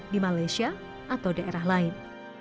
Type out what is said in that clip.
di malaysia atau daerah lain